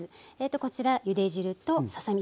こちらゆで汁とささ身。